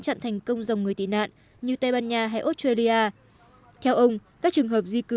chặn thành công dòng người tị nạn như tây ban nha hay australia theo ông các trường hợp di cư